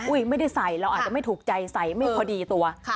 ไม่ได้ใส่เราอาจจะไม่ถูกใจใส่ไม่พอดีตัว